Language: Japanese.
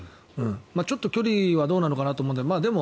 ちょっと距離はどうなのかなと思いますがでも、